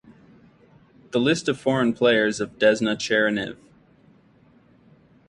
The List of Foreign Players of Desna Chernihiv.